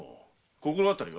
心当たりは？